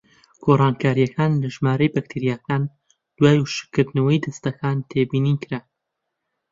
گۆڕانکاریەکان لە ژمارەی بەکتریاکان دوای وشکردنەوەی دەستەکان تێبینیکران: